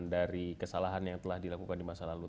dari kesalahan yang telah dilakukan di masa lalu